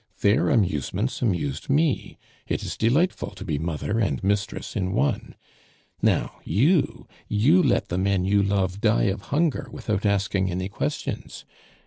Their amusements amused me. It is delightful to be mother and mistress in one. Now, you you let the men you love die of hunger without asking any questions.